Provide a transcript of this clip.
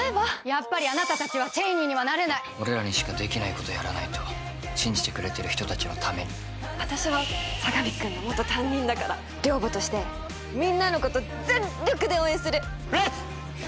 やっぱりあなた達はＣＨＡＹＮＥＹにはなれない俺らにしかできないことやらないと信じてくれてる人達のために私は佐神くんの元担任だから寮母としてみんなのこと全力で応援するＬｅｔ’ｓ８ＬＯＯＭ